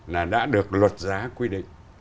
là đã được luật giá quy định